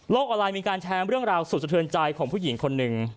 ออนไลน์มีการแชร์เรื่องราวสุดสะเทือนใจของผู้หญิงคนหนึ่ง